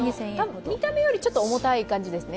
見た目よりちょっと重たい感じですね。